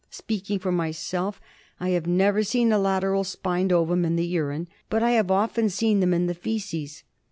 Speaking for myself, I have never seen a lateral spined ovum in the urine, but I have often seen them in the faeces'.